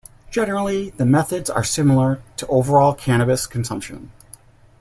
Generally the methods are similar to overall cannabis consumption.